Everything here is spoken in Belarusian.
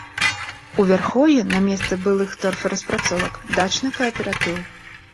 У вярхоўі на месцы былых торфараспрацовак дачны кааператыў.